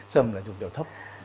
sâm là dùng liều thấp